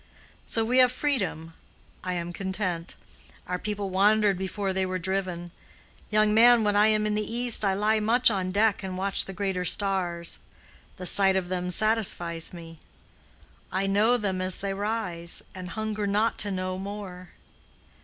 So we have freedom, I am content. Our people wandered before they were driven. Young man when I am in the East, I lie much on deck and watch the greater stars. The sight of them satisfies me. I know them as they rise, and hunger not to know more.